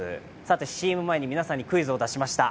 ＣＭ前に皆さんにクイズを出しました。